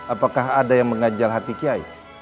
apakah ada yang mengajal hati kiai